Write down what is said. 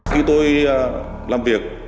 khi tôi làm việc